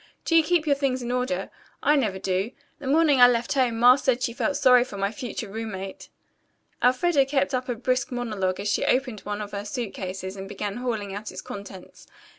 "Do you keep your things in order? I never do. The morning I left home Ma said she felt sorry for my future roommate." Elfreda kept up a brisk monologue as she opened one of her suit cases and began hauling out its contents.